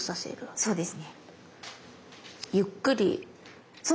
そうですね。